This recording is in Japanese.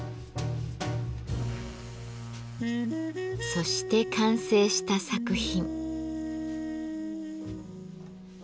そして完成した作品。